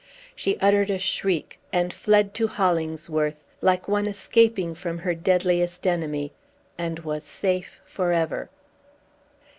She uttered a shriek, and fled to Hollingsworth, like one escaping from her deadliest enemy, and was safe forever.